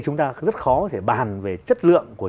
chúng ta rất khó để bàn về chất lượng của